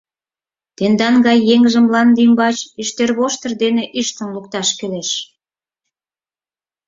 Тендан гай еҥжым мланде ӱмбач ӱштервоштыр дене ӱштын лукташ кӱлеш!